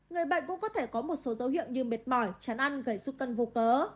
người bệnh cũng có thể có một số dấu hiệu như mệt mỏi chán ăn gầy suốt cân vô cớ